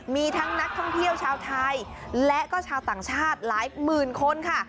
มีทั้งนักท่องเที่ยวชาวไทยและก็ชาวต่างชาติหลายหมื่นคนค่ะ